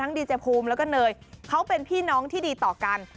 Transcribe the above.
ดีเจภูมิแล้วก็เนยเขาเป็นพี่น้องที่ดีต่อกัน